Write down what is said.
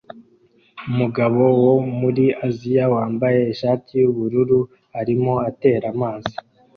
Umugabo wo muri Aziya wambaye ishati yubururu arimo atera amazi